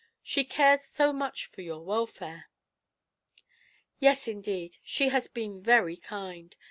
She cares so much for your welfare." "Yes, indeed, she has been very kind.